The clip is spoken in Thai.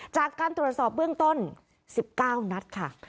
จากการตรวจสอบเบื้องต้น๑๙นัดค่ะ